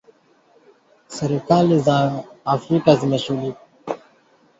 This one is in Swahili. Serikali za Afrika zimeshughulikia sarafu ya kimtandao tofauti